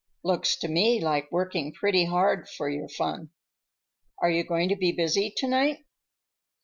"Looks to me like working pretty hard for your fun. Are you going to be busy to night?